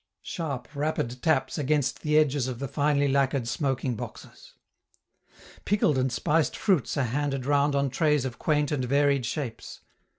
sharp, rapid taps against the edges of the finely lacquered smoking boxes. Pickled and spiced fruits are handed round on trays of quaint and varied shapes.